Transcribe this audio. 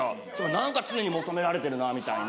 何か常に求められてるなみたいな。